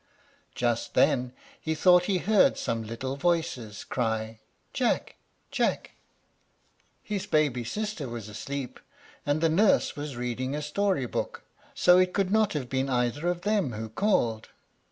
Just then he thought he heard some little voices cry, "Jack! Jack!" His baby sister was asleep, and the nurse was reading a story book, so it could not have been either of them who called.